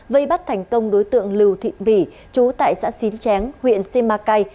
vây bắt thành công đối tượng lưu thị bỉ chú tại xã xín chén huyện simacai